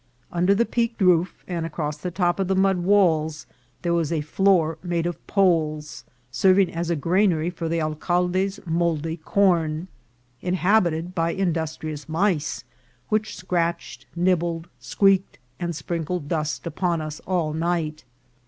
Under the peaked roof and across the top of the mud walls there was a floor made of poles, serving as a granary for the alcalde's mouldy corn, inhabited by industrious mice, which scratched, nibbled, squeak ed, and sprinkled dust upon us all night.